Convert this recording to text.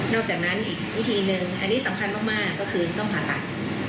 จากนั้นอีกวิธีหนึ่งอันนี้สำคัญมากก็คือต้องผ่าตัด